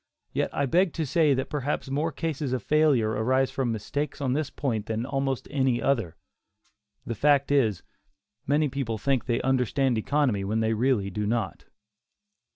Yet I beg to say that perhaps more cases of failure arise from mistakes on this point than almost any other. The fact is, many people think they understand economy when they really do not.